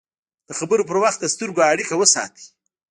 د خبرو پر وخت د سترګو اړیکه وساتئ